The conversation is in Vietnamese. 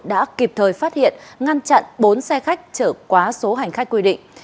đã kịp thời phát hiện ngăn chặn bốn xe khách chở quá số hành khách quy định